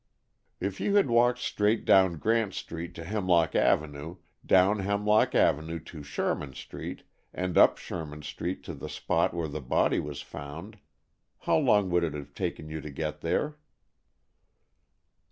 "If you had walked straight down Grant Street to Hemlock Avenue, down Hemlock Avenue to Sherman Street, and up Sherman Street to the spot where the body was found, how long would it have taken you to get there?"